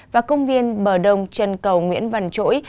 và công viên bờ đông chân cầu nguyễn văn chỗi